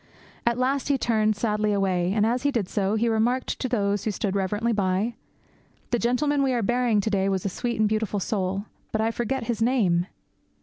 At last he turned sadly away, and, as he did so, he remarked to those who stood reverently by, 'The gentleman we are burying to day was a sweet and beautiful soul, _but I forget his name!